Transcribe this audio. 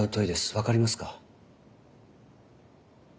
分かりますか？